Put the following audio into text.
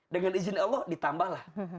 dengan izin allah ditambahlah